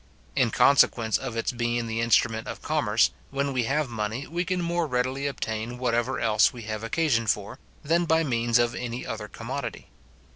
In consequence of its being the instrument of commerce, when we have money we can more readily obtain whatever else we have occasion for, than by means of any other commodity.